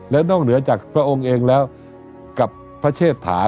แล้วนอกเหนือจากพระองค์กับพระเชษฐา